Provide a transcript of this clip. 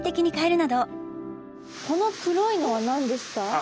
この黒いのは何ですか？